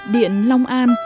điện long an